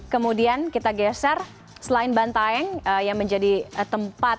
kemudian kita geser selain bantaeng yang menjadi tempat